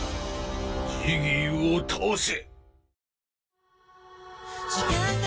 ジギーを倒せ！